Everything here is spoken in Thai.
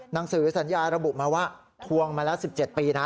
หนังสือสัญญาระบุมาว่าทวงมาแล้ว๑๗ปีนะ